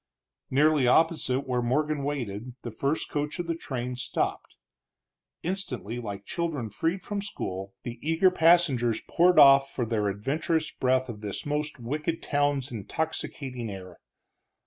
Nearly opposite where Morgan waited, the first coach of the train stopped. Instantly, like children freed from school, the eager passengers poured off for their adventurous breath of this most wicked town's intoxicating air.